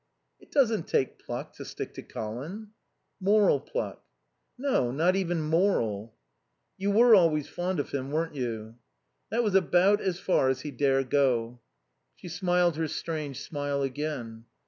"It doesn't take pluck to stick to Colin." "Moral pluck." "No. Not even moral." "You were always fond of him, weren't you?" That was about as far as he dare go. She smiled her strange smile again.